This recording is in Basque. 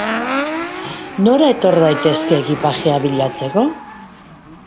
Nora etor daitezke ekipajea bilatzeko?